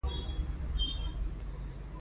هغه پېښور ته لاړ او کیسټ یې ثبت کړه